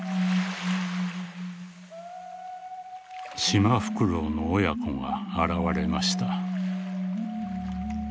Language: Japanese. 「シマフクロウの親子が現れました」。